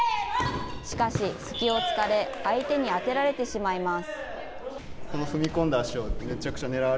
しかし、隙をつかれ、相手に当てられてしまいます。